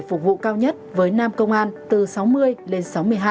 phục vụ cao nhất với nam công an từ sáu mươi lên sáu mươi hai